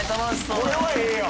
これはええやん